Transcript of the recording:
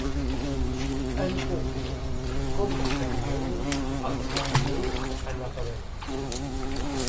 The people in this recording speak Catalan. En concret, com s'anomenen els qui més han aparegut?